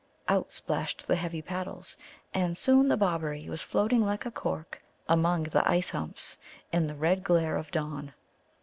Out splashed the heavy paddles, and soon the Bobberie was floating like a cork among the ice humps in the red glare of dawn.